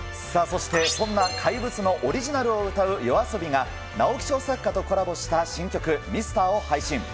さあ、そしてそんな怪物のオリジナルを歌うＹＯＡＳＯＢＩが直木賞作家とコラボした新曲、ミスターを配信。